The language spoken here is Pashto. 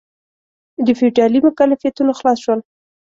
د فیوډالي مکلفیتونو خلاص شول.